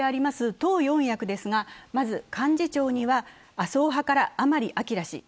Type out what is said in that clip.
党四役ですが、まず幹事長には麻生派から甘利氏。